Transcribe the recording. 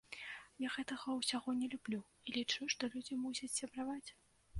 Я гэтага ўсяго не люблю і лічу, што людзі мусяць сябраваць.